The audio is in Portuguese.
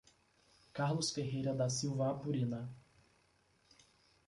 Carlos Ferreira da Silva Apurina